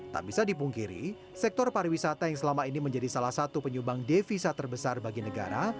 tak bisa dipungkiri sektor pariwisata yang selama ini menjadi salah satu penyumbang devisa terbesar bagi negara